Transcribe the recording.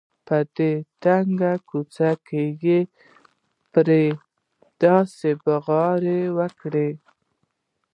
په دې تنګه کوڅه کې یې پرې داسې بغارې وکړې.